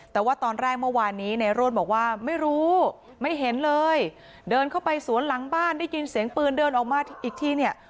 แต่ว่าตอนแรกเมื่อวานนี้ในโรดบอกว่าไม่รู้ไม่เห็นเลยเดินเข้าไปสวนหลังบ้านได้ยินเสียงปืนเดินออกมาอีกทีเนี่ย